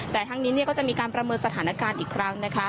แต่ทั้งนี้ก็จะมีการประเมินสถานการณ์อีกครั้งนะคะ